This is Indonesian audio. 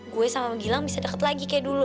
gue sama jilang bisa deket lagi kayak dulu